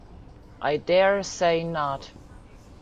I dare say not.